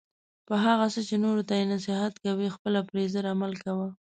په هغه څه چې نورو ته یی نصیحت کوي خپله پری زر عمل کوه